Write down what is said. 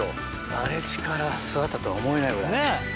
荒れ地から育ったとは思えないぐらい。